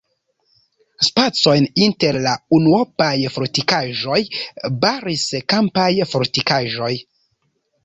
Spacojn inter la unuopaj fortikaĵoj baris kampaj fortikaĵoj.